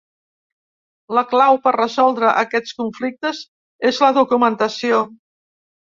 La clau per resoldre aquests conflictes és la documentació.